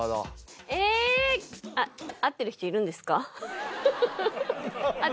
ええっ合ってる人いるんですか？